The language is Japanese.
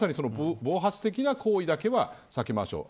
まさに、暴発的な行為だけは避けましょう。